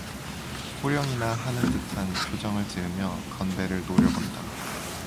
호령이나 하는 듯한 표정을 지으며 건배를 노려본다.